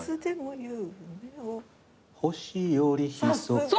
「星よりひそかに」